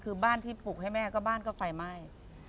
คือบ้านที่ปลูกให้แม่ก็บ้านก็ไฟไหม้